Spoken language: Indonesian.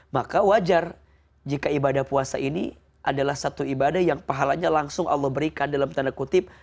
maka wajar jika ibadah puasa ini adalah satu ibadah yang pahalanya langsung allah berikan dalam tanda kutip